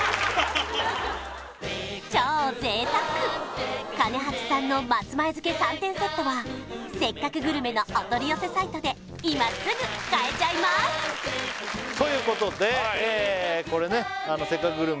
超贅沢兼八さんの松前漬３点セットは「せっかくグルメ！！」のお取り寄せサイトで今すぐ買えちゃいますということでええ